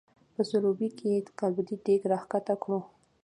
په سروبي کې قابلي دیګ راښکته کړو.